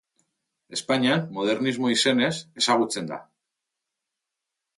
Espainian modernismo izenez ezagutzen da.